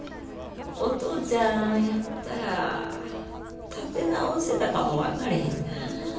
お父ちゃんやったら立て直せたかも分かれへんな。